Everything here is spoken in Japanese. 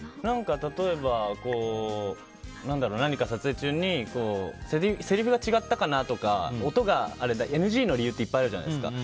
例えば、何か撮影中にせりふが違ったかなとか音があれとかＮＧの理由っていっぱいあるじゃないですか。